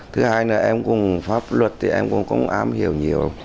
thứ hai là em cũng pháp luật thì em cũng không ám hiểu nhiều